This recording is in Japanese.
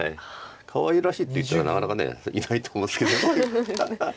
かわいらしいという人はなかなかいないと思うんですけども。